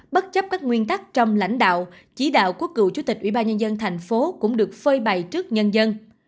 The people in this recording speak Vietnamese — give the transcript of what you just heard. bất chấp các nguyên tắc trong lãnh đạo chỉ đạo của cựu chủ tịch ủy ban nhân dân thành phố cũng được phơi bày trước nhân dân